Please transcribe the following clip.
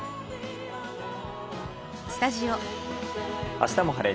「あしたも晴れ！